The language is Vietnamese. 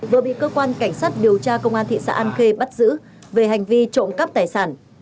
vừa bị cơ quan cảnh sát điều tra công an thị xã an khê bắt giữ về hành vi trộm cắp tài sản